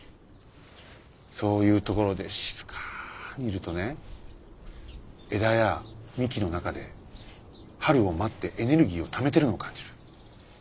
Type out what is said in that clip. そういうところで静かにいるとね枝や幹の中で春を待ってエネルギーをためてるのを感じる。